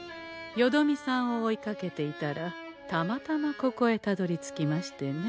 よどみさんを追いかけていたらたまたまここへたどりつきましてね。